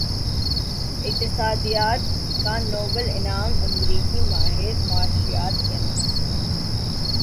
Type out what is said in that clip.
اقتصادیات کا نوبل انعام امریکی ماہر معاشیات کے نام